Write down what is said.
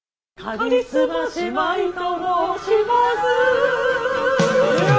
カリスマ姉妹と申します